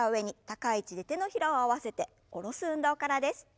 高い位置で手のひらを合わせて下ろす運動からです。